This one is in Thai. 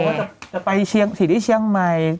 จะไปสถิติเชียงใหม่